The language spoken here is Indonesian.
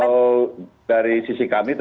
kalau dari sisi kami itu